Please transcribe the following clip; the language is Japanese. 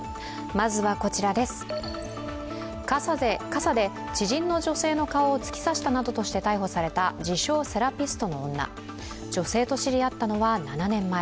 傘で知人の女性の顔を突き刺したなどとした逮捕された自称・セラピストの女、女性と知り合ったのは７年前。